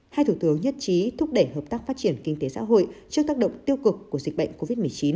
hai thủ tướng nhất trí thúc đẩy hợp tác phát triển kinh tế xã hội trước tác động tiêu cực của dịch bệnh covid một mươi chín